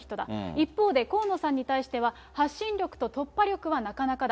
一方で、河野さんに対しては、発信力と突破力はなかなかだ。